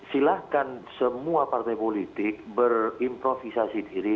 silahkan semua partai politik berimprovisasi diri